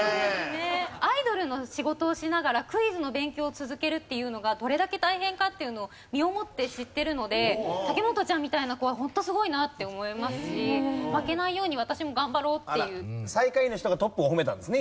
アイドルの仕事をしながらクイズの勉強を続けるっていうのがどれだけ大変かっていうのを身をもって知ってるので武元ちゃんみたいな子はホントすごいなって思いますし負けないように私も頑張ろう！っていう。